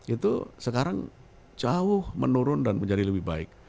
itu sekarang jauh menurun dan menjadi lebih baik